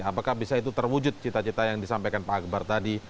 apakah bisa itu terwujud cita cita yang disampaikan pak akbar tadi